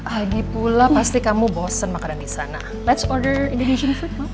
agi pula pasti kamu bosen makanan di sana let's order indonesian food